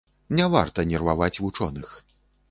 Не варта нерваваць вучоных.